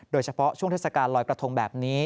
โดยเฉพาะช่วงเทศกาลลอยกระทงแบบนี้